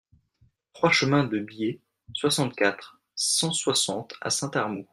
trois chemin de Bié, soixante-quatre, cent soixante à Saint-Armou